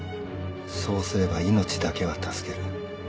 そうすれば命だけは助ける。